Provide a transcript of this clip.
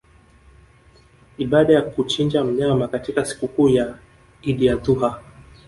ibada ya kuchinja mnyama katika sikukuu ya Idi Adhu ha